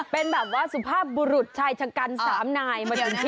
เป็นแบบว่าสุภาพบุรุษชายชะกัน๓นาย